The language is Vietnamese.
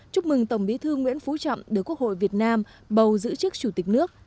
chúc mừng tổng bí thư nguyễn phú trọng được quốc hội việt nam bầu giữ chức chủ tịch nước